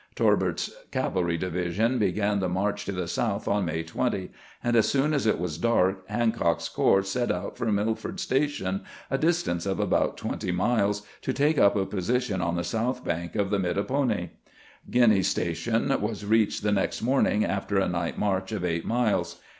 Torbert's cavalry division began tbe march to the South on May 20, and as soon as it was dark Hancock's corps set out for Milford Sta tion, a distance of about twenty mUes, to take up a position on the south bank of the Mattapony. Gruiney's Station was reached the next morning, after a night march of eight mUes.